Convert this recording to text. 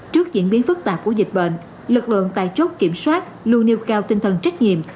trước diễn biến phức tạp của dịch bệnh lực lượng tại chốt kiểm soát luôn nêu cao tinh thần trách nhiệm